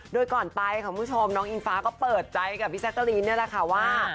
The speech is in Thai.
โดยก่อนไปคุณผู้ชมน้องอินฟ้าก็เปิดใจกับพี่แจกรียนว่า